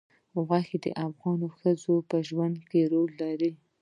غوښې د افغان ښځو په ژوند کې رول لري.